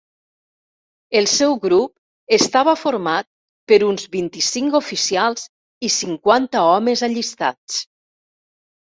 El seu grup estava format per uns vint-i-cinc oficials i cinquanta homes allistats.